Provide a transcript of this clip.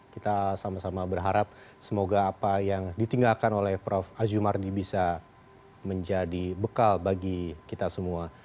kita sama sama berharap semoga apa yang ditinggalkan oleh prof azumardi bisa menjadi bekal bagi kita semua